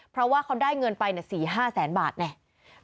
เพราะว่าเขาได้เงินไปน่ะ๔๕๐๐๐๐๐บาทเนี่ย